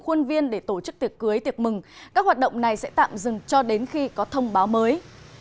khuôn viên để tổ chức tiệc cưới tiệc mừng các hoạt động này sẽ tạm dừng cho đến khi có thông báo mới